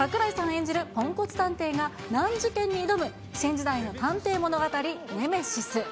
演じるポンコツ探偵が、難事件に挑む新時代の探偵物語、ネメシス。